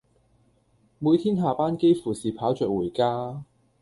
每天下班幾乎是跑著回家